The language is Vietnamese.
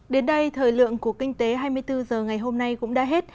đến đây thời lượng của kinh tế hai mươi bốn h ngày hôm nay cũng đã hết